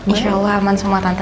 insya allah aman semua tante